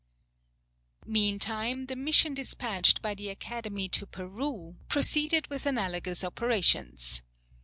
Meantime the mission despatched by the Academy to Peru proceeded with analogous operations.